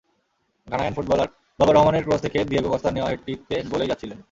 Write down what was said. Ghanaian footballer Baba রহমানের cross থেকে Diego কস্তার নেওয়া হেডটিতে গোলেই যাচ্ছিল।